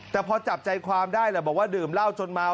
แต่พอจับใจความได้แหละบอกว่าดื่มเหล้าจนเมา